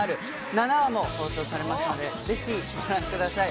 ７話を放送されますので、ぜひご覧ください。